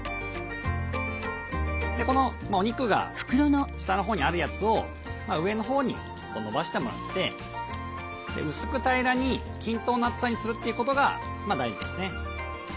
このお肉が下のほうにあるやつを上のほうに延ばしてもらって薄く平らに均等の厚さにするということが大事ですね。